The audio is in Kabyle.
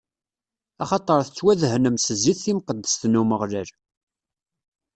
Axaṭer tettwadehnem s zzit timqeddest n Umeɣlal.